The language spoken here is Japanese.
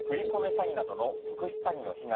詐欺などの特殊詐欺の被害